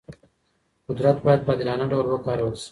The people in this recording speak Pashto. قدرت باید په عادلانه ډول وکارول سي.